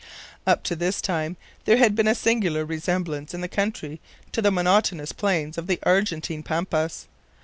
Up to this time there had been a singular resemblance in the country to the monotonous plains of the Argentine Pampas.